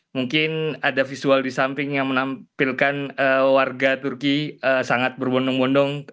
mungkin ada visual di samping yang menampilkan warga turki sangat berbondong bondong